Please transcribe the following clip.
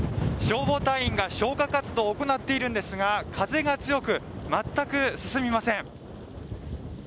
消防隊員が消火活動を行っているんですが風が強く、全く進みません。